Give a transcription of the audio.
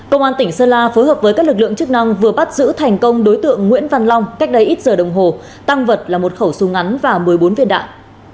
công an tỉnh sơn la phối hợp với các lực lượng chức năng vừa bắt giữ thành công đối tượng nguyễn văn long cách đây ít giờ đồng hồ tăng vật là một khẩu súng ngắn và một mươi bốn viên đạn